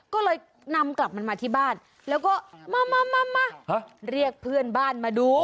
ก็เลยนำกลับมันมาที่บ้านแล้วก็มามาเรียกเพื่อนบ้านมาดู